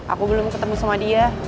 aku belum ketemu sama dia